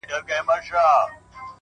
د هجرت غوټه تړمه روانېږم؛